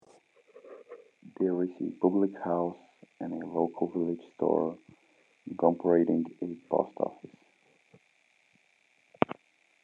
There is a public house and a local village store incorporating a post office.